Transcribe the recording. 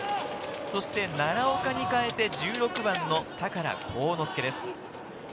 奈良岡に代えて、１６番の高良幸之介です。